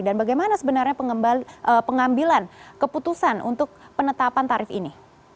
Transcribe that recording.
bagaimana sebenarnya pengambilan keputusan untuk penetapan tarif ini